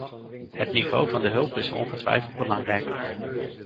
Het niveau van de hulp is ongetwijfeld belangrijk.